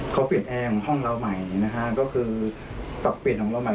เขาเปลี่ยนแอร์ของห้องเราใหม่ก็คือปรับเปลี่ยนของเราใหม่